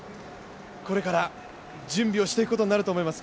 これから準備をしていくことになると思います。